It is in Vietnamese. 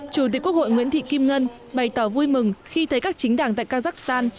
chủ tịch quốc hội nguyễn thị kim ngân bày tỏ vui mừng khi thấy các chính đảng tại kazakhstan